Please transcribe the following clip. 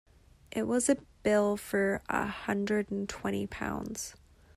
It was a bill for a hundred and twenty pounds.